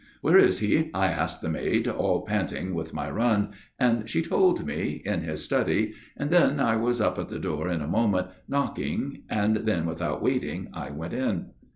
"' Where is he ?' I asked the maid, all panting with my run, and she told me, In his study, and then I was up at the door in a moment, knocking, and then, without waiting, I went in.